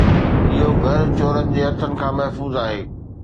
اھو گھر چورن جي ھٿن کان محفوظ آھي